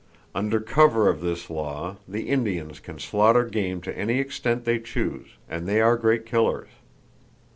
Under cover of this law, the Indians can slaughter game to any extent they choose; and they are great killers.